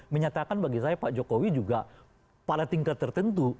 menyatakan bagi saya pak jokowi juga pada tingkat tertentu